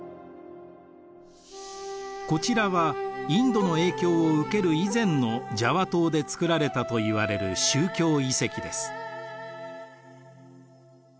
こちらはインドの影響を受ける以前のジャワ島で造られたといわれる宗教遺跡です。